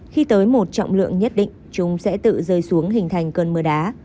khi tới một trọng lượng nhất định chúng sẽ tự rơi xuống hình thành cơn mưa đá